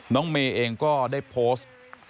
น้องเมย์เองก็ได้โพสต์